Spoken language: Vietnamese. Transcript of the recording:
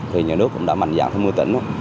thì nhà nước cũng đã mạnh dạng tham mưu tỉnh